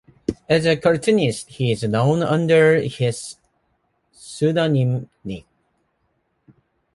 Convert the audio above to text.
As a cartoonist he is known under his pseudonym Nick.